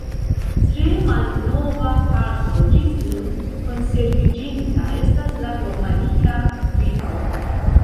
Tre malnova parto ĝis nun konserviĝinta estas la romanika kripto.